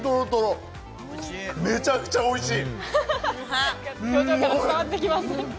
めちゃくちゃおいしい！